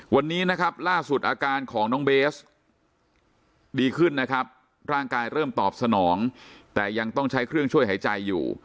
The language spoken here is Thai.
วันนี้นะครับล่าสุดอาการของน้องเบสดีขึ้นนะครับร่างกายเริ่มตอบสนองแต่ยังต้องใช้เครื่องช่วยหายใจอยู่